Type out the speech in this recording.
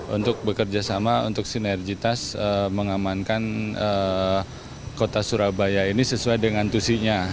untuk bekerja sama untuk sinergitas mengamankan kota surabaya ini sesuai dengan tusinya